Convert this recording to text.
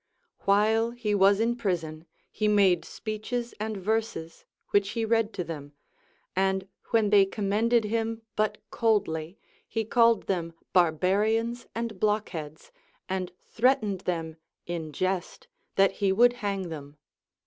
While he was in prison, he made speeches and verses Avhich he read to them, and when they commended them but coldly, he called them barbarians and blockheads, and threatened them in jest that he ΛνοηΜ hang them.